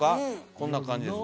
こんな感じです。